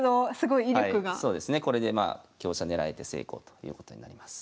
はいそうですね。これでまあ香車狙えて成功ということになります。